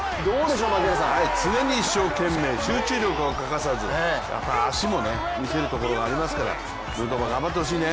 常に一生懸命、集中力も欠かさずやっぱ足も見せるところがありますからヌートバー、頑張ってほしいね。